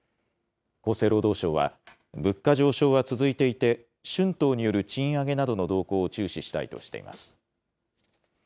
厚生労働省は、物価上昇は続いていて、春闘による賃上げなどの動向を注視したいとしています。